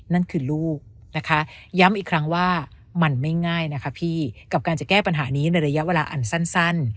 นั่นคือลูกนะคะย้ำอีกครั้งว่ามันไม่ง่ายนะคะพี่กับการจะแก้ปัญหานี้ในระยะเวลาอันสั้น